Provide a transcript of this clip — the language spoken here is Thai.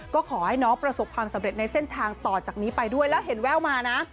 ก็ขอให้น้องประสบความสำเร็จในเส้นทางต่อจากนี้ไปด้วยแล้วเห็นแว่วมานะ